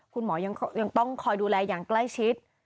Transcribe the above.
คุณหมอยังต้องคอยดูแลอย่างใกล้ชิด